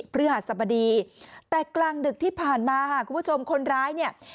ฤหัสบดีแต่กลางดึกที่ผ่านมาค่ะคุณผู้ชมคนร้ายเนี่ย